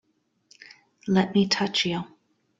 Let me touch you!